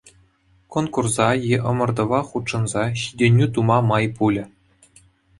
Конкурса е ӑмӑртӑва хутшӑнса ҫитӗнӳ тума май пулӗ.